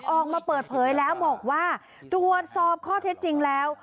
ออกมาเปิดเผยแล้วบอกว่าตรวจสอบข้อเท็จจริงแล้ว